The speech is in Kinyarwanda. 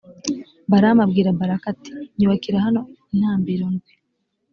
balamu abwira balaki, ati «nyubakira hano intambiro ndwi.